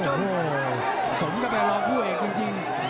โอ้โหสมก็เป็นรองผู้เอกจริง